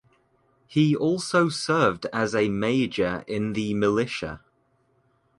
He also served as a major in the militia.